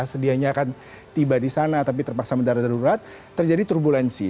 sedianya akan tiba di sana tapi terpaksa mendarat darurat terjadi turbulensi